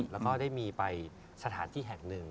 แล้วก็ได้มีไปสถานที่แห่งหนึ่ง